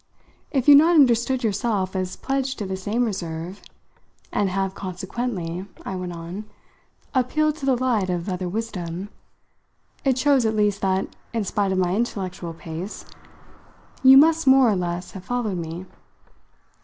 If you've not understood yourself as pledged to the same reserve, and have consequently," I went on, "appealed to the light of other wisdom, it shows at least that, in spite of my intellectual pace, you must more or less have followed me.